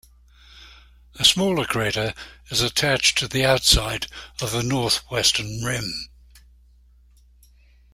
A smaller crater is attached to the outside of the northwestern rim.